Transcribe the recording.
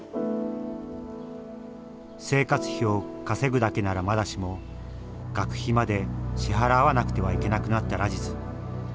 生活費を稼ぐだけならまだしも学費まで支払わなくてはいけなくなったラジズ。